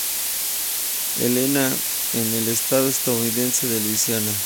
Helena en el estado estadounidense de Luisiana.